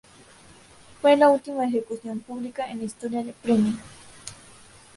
Fue la última ejecución pública en la historia de Bremen.